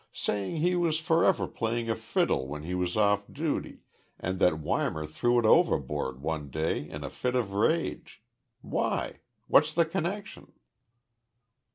Saying he was forever playing a fiddle when he was off duty and that Weimar threw it overboard one day in a fit of rage. Why? What's the connection?"